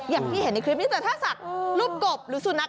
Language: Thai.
อย่างที่เห็นในคลิปนี้แต่ถ้าศักดิ์รูปกบหรือสุนัข